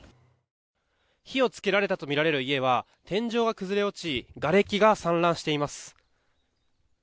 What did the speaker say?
火をつけられたとみられる家は天井が崩れ落ちがれきが散乱しています。